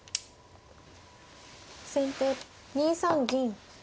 先手２三銀。